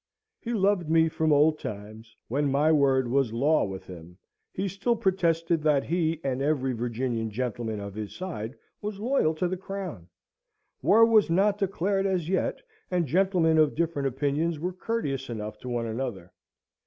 He loved me from old times, when my word was law with him; he still protested that he and every Virginian gentleman of his side was loyal to the Crown. War was not declared as yet, and gentlemen of different opinions were courteous enough to one another.